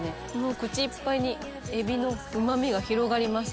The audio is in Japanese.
口いっぱいにエビのうまみが広がります。